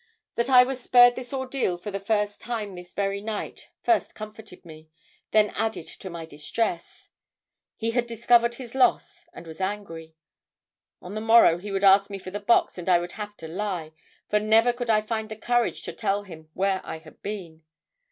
"That I was spared this ordeal for the first time this very night first comforted me, then added to my distress. He had discovered his loss and was angry. On the morrow he would ask me for the box and I would have to lie, for never could I find the courage to tell him where I had been.